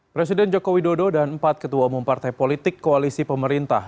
presiden joko widodo dan empat ketua umum partai politik koalisi pemerintah